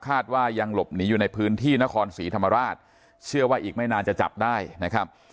ว่ายังหลบหนีอยู่ในพื้นที่นครศรีธรรมราชเชื่อว่าอีกไม่นานจะจับได้นะครับ